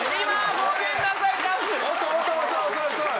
・ごめんなさい。